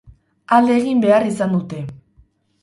Alde egin behar izan dute.